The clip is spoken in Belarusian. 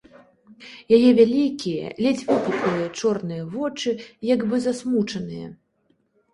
Яе вялікія, ледзь выпуклыя, чорныя вочы як бы засмучаныя.